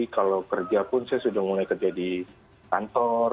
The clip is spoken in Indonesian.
kalau kerja pun saya sudah mulai kerja di kantor